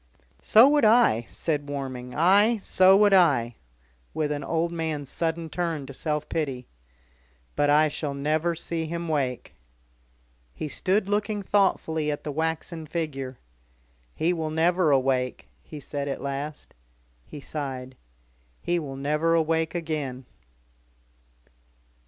"So would I," said Warming. "Aye! so would I," with an old man's sudden turn to self pity. "But I shall never see him wake." He stood looking thoughtfully at the waxen figure. "He will never awake," he said at last. He sighed. "He will never awake again."